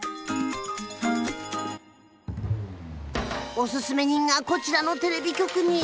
おススメ人がこちらのテレビ局に。